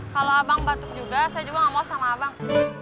kalau abang batuk juga saya juga gak mau sama abang